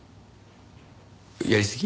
やりすぎ？